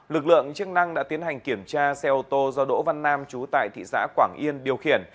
lực lượng chức năng đã tiến hành kiểm tra xe ô tô do đỗ văn nam chú tại thị xã quảng yên điều khiển